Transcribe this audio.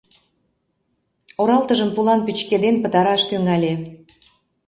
Оралтыжым пулан пӱчкеден пытараш тӱҥале.